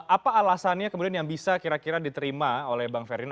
apa alasannya kemudian yang bisa kira kira diterima oleh bang ferdinand